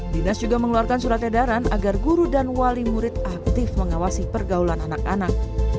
dinas juga mengeluarkan surat edaran agar guru dan wali murid aktif mengawasi pergaulan anak anak